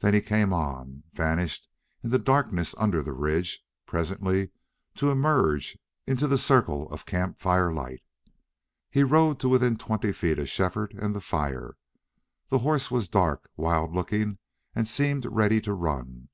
Then he came on, vanished in the darkness under the ridge, presently to emerge into the circle of camp fire light. He rode to within twenty feet of Shefford and the fire. The horse was dark, wild looking, and seemed ready to run.